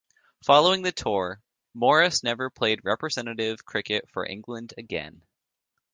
Following the tour, Morris never played representative cricket for England again.